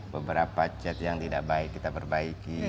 beberapa chat yang tidak baik kita perbaiki